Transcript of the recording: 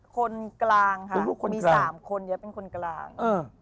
คนกลางค่ะมี๓คนนี้เป็นคนกลาง